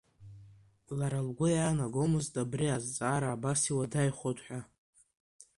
Лара лгәы иаанагомызт абри азҵаара абас иуадаҩхоит ҳәа.